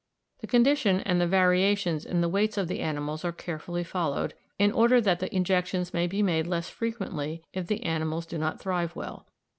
The condition and the variations in the weights of the animals are carefully followed, in order that the injections may be made less frequently if the animals do not thrive well.